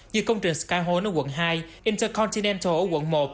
như công trình skyhone ở quận hai intercontinental ở quận một